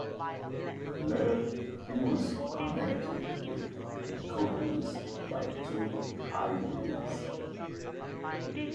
Later it was connected with Nicopolis by two highways.